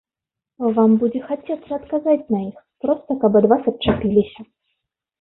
Вам будзе хацецца адказаць на іх, проста каб ад вас адчапіліся.